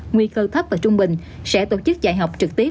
nguy cơ thấp và trung bình sẽ tổ chức dạy học trực tiếp